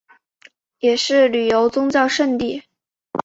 也是旅游宗教胜地。